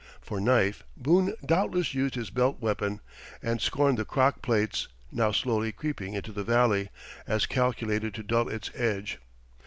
For knife, Boone doubtless used his belt weapon, and scorned the crock plates, now slowly creeping into the valley, as calculated to dull its edge.